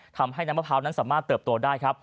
ทำให้น้ำมะพร้าวนั้นสามารถเติบโตได้ครับ